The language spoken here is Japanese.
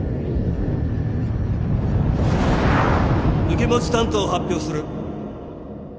受け持ち担当を発表する。